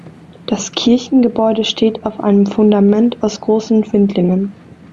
Das Kirchengebäude steht auf einem Fundament aus großen Findlingen.